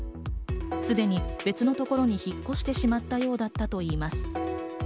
すでに別のところに引っ越してしまったようだったといいます。